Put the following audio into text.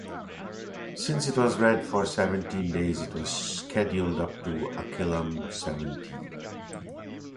Since it was read for seventeen days it was scheduled up to Akilam seventeen.